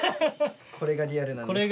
これがリアルなんです。